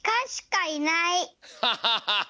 ハハハハハ！